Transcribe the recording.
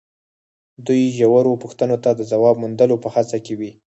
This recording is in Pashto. دوی ژورو پوښتنو ته د ځواب موندلو په هڅه کې وي.